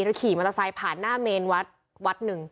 แล้วขี่มอเตอร์ไซค์ผ่านหน้าเมนวัด๑